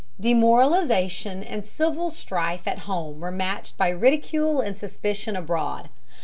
Demoralization and civil strife at home were matched by ridicule and suspicion abroad.